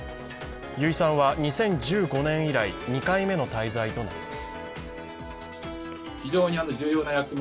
油井さんは２０１５年以来２回目の滞在となります。